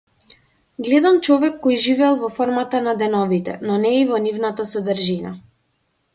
Гледам човек кој живеел во формата на деновите, но не и во нивната содржина.